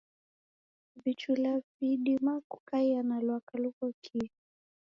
Vichula vidima kukaia na lwaka lughokie.